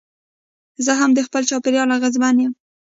زه هم د خپل چاپېریال اغېزمن یم.